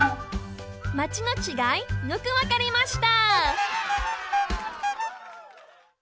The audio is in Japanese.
「マチ」のちがいよくわかりました！